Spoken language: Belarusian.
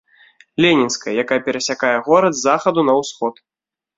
Ленінская, якая перасякае горад з захаду на ўсход.